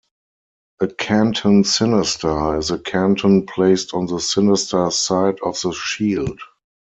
A "canton sinister" is a canton placed on the sinister side of the shield.